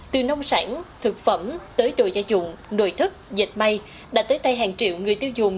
từ nông sản thực phẩm tới đồ gia dụng nồi thức dệt may đã tới tay hàng triệu người tiêu dùng